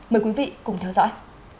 mời quý vị cùng theo dõi